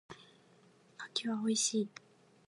柿は美味しい。